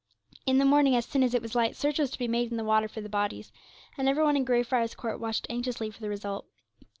In the morning, as soon as it was light, search was to be made in the water for the bodies, and every one in Grey Friars Court waited anxiously for the result.